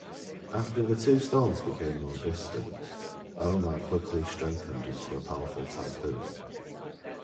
After the two storms became more distant, Omar quickly strengthened into a powerful typhoon.